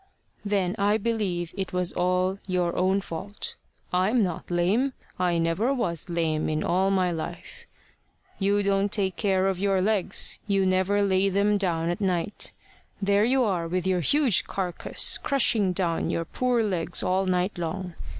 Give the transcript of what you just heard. "Then I believe it was all your own fault. I'm not lame. I never was lame in all my life. You don't take care of your legs. You never lay them down at night. There you are with your huge carcass crushing down your poor legs all night long.